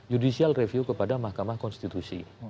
judicial review kepada mahkamah konstitusi